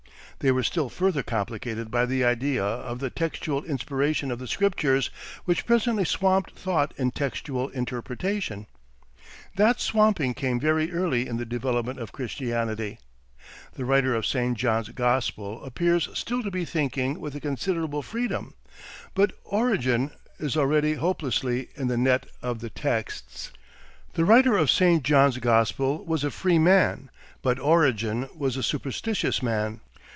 They were still further complicated by the idea of the textual inspiration of the scriptures, which presently swamped thought in textual interpretation. That swamping came very early in the development of Christianity. The writer of St. John's gospel appears still to be thinking with a considerable freedom, but Origen is already hopelessly in the net of the texts. The writer of St. John's gospel was a free man, but Origen was a superstitious man.